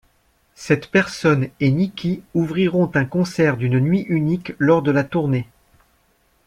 Cette personne et Nicki ouvriront un concert d'une nuit unique lors de la tournée.